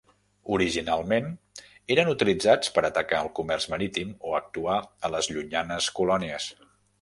Originalment eren utilitzats per atacar el comerç marítim o actuar a les llunyanes colònies.